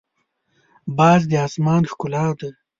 باز د اسمان ښکلا ده